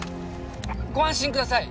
ご安心ください